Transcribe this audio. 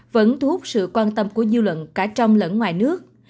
vẫn thu hút sự quan tâm của dư luận cả trong lẫn ngoài nước